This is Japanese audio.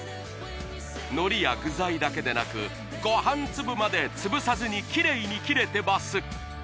海苔や具材だけでなくご飯粒まで潰さずにキレイに切れてます